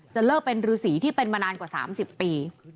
เลิกเป็นฤษีที่เป็นมานานกว่า๓๐ปี